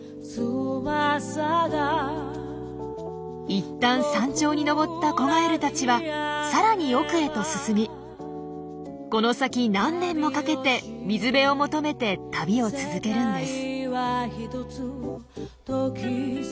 いったん山頂に登った子ガエルたちはさらに奥へと進みこの先何年もかけて水辺を求めて旅を続けるんです。